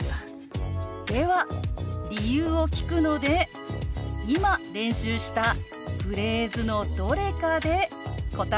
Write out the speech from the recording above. では理由を聞くので今練習したフレーズのどれかで答えてください。